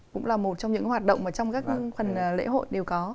cũng là một trong những hoạt động mà trong các phần lễ hội đều có